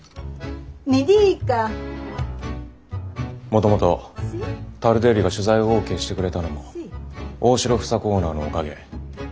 もともとタルデッリが取材をオーケーしてくれたのも大城房子オーナーのおかげ。